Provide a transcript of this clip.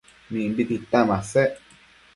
Mimbi tita masec